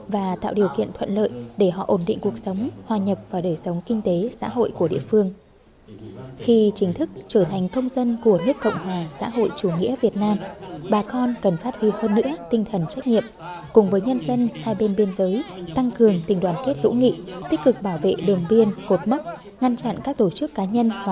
và đấy cái điều đó chúng tôi đánh giá rất là cao